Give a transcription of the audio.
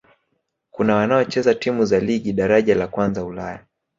Kuna wanaocheza timu za Ligi Daraja la Kwanza Ulaya